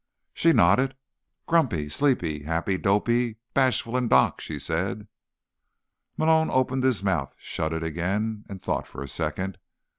She nodded. "Grumpy, Sleepy, Happy, Dopey, Bashful and Doc," she said. Malone opened his mouth, shut it again, and thought for a second.